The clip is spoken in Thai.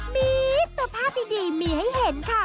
มีแต่ภาพดีมีให้เห็นค่ะ